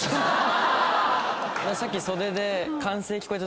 さっき袖で。